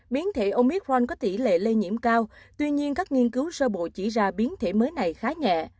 biến thể omit frand có tỷ lệ lây nhiễm cao tuy nhiên các nghiên cứu sơ bộ chỉ ra biến thể mới này khá nhẹ